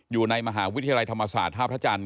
อยู่ในมหาวิทยาลัยธรรมศาสตร์ท่าพระจันทร์